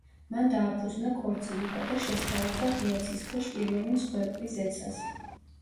მან დააფუძნა ქორწინება და შესთავაზა ღია ცის ქვეშ პირველი მსხვერპლი ზეცას.